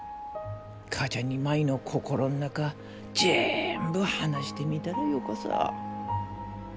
母ちゃんに舞の心の中じぇんぶ話してみたらよかさ。